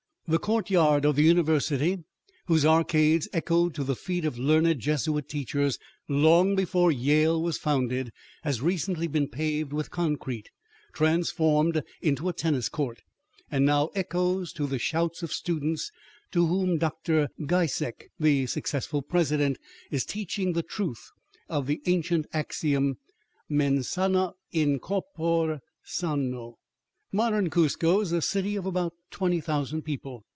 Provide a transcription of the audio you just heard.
The courtyard of the University, whose arcades echoed to the feet of learned Jesuit teachers long before Yale was founded, has recently been paved with concrete, transformed into a tennis court, and now echoes to the shouts of students to whom Dr. Giesecke, the successful president, is teaching the truth of the ancient axiom, "Mens sana in corpore sano." Modern Cuzco is a city of about 20,000 people.